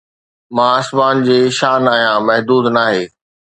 مان آسمان جي شان آهيان، محدود ناهي